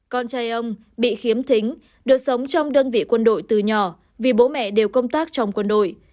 con trai ông bị khiếm thính được sống trong đơn vị quân đội từ nhỏ vì bố mẹ đều công tác trong quân đội